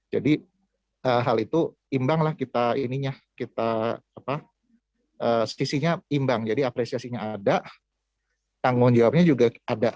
jadi hal itu imbang lah kita ininya sisinya imbang jadi apresiasinya ada tanggung jawabnya juga ada